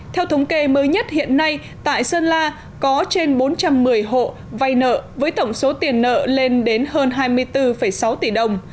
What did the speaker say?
theo thống kê mới nhất hiện nay tại sơn la có trên bốn trăm một mươi hộ vay nợ với tổng số tiền nợ lên đến hơn hai mươi bốn sáu tỷ đồng